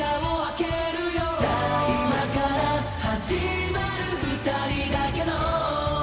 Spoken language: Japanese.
「さあ今から始まる二人だけの」